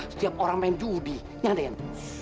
setiap orang main judi ya raden